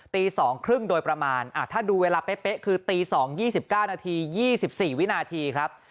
ตี๒๓๐โดยประมาณถ้าดูเวลาเป๊ะคือตี๒๒๙นาที๒๔วินาทีครับ